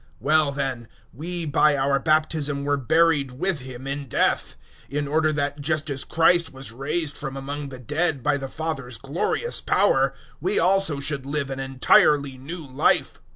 006:004 Well, then, we by our baptism were buried with Him in death, in order that, just as Christ was raised from among the dead by the Father's glorious power, we also should live an entirely new life.